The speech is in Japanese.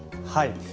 はい。